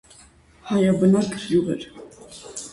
Հայաբնակ գյուղ էր։